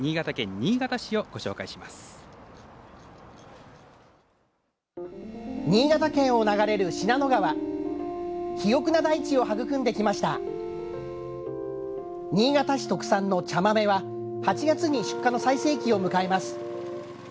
新潟市特産の茶豆は８月に出荷の最盛期を迎えます。